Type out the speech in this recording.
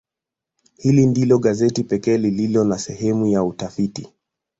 Hili ndilo gazeti pekee lililo na sehemu ya utafiti.